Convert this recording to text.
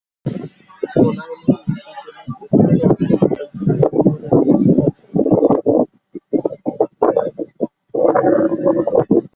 সোনাইমুড়ি উপজেলার দক্ষিণাংশে বজরা ইউনিয়নের অবস্থান।